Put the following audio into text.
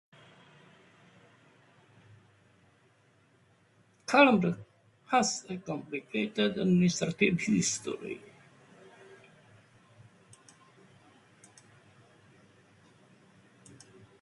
Colnbrook has a complicated administrative history.